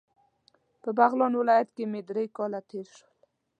په بغلان ولایت کې مې درې کاله تیر شول.